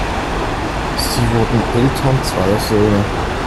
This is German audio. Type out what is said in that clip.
Sie wurden Eltern zweier Söhne.